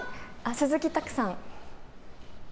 鈴木拓さん。